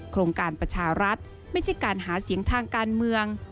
โครงการประชารัฐไม่ใช่การหาเสียงทางการเมือง